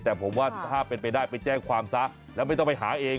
แต่ผมว่าถ้าเป็นไปได้ไปแจ้งความซะแล้วไม่ต้องไปหาเอง